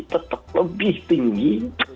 tetap lebih tinggi